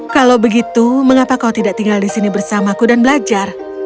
kalau begitu mengapa kau tidak tinggal di sini bersamaku dan belajar